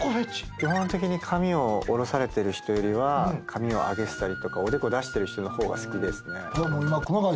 基本的に髪を下ろされてる人よりは髪を上げてたりおでこ出してる人の方が好きですね。